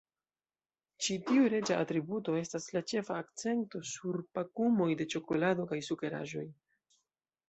Ĉi tiu reĝa atributo estas la ĉefa akcento sur pakumoj de ĉokolado kaj sukeraĵoj.